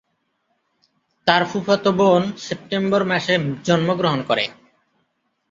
তার ফুফাতো বোন সেপ্টেম্বর মাসে জন্মগ্রহণ করে।